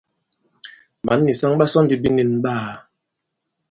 Mǎn nì saŋ ɓa sɔ ndi binīn ɓaā.